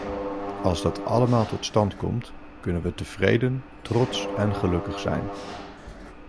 Als dat allemaal tot stand komt, kunnen we tevreden, trots en gelukkig zijn.